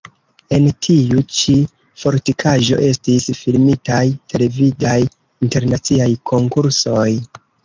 En tiu ĉi fortikaĵo estis filmitaj televidaj internaciaj konkursoj.